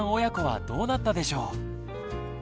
親子はどうなったでしょう。